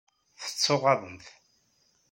Tettuɣaḍemt.